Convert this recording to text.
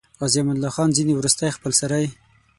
عازي امان الله خان ځینې وروستۍخپلسرۍ.